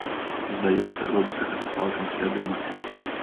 Здаецца, робіцца гэта цалкам свядома.